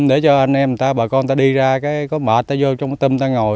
để cho anh em ta bà con ta đi ra có mệt ta vô trong cái tâm ta ngồi